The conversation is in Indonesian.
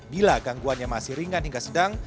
bila gangguannya masih ringan hingga sedang